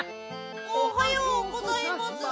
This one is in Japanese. おはようございます。